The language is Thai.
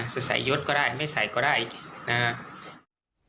จะใส่ยศก็ได้ไม่ใส่ก็ได้นะครับ